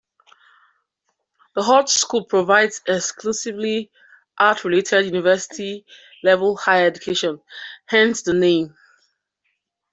The Hogeschool provides exclusively art-related university-level higher education, hence the name.